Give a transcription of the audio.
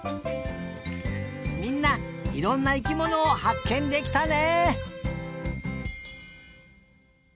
みんないろんな生きものをはっけんできたね！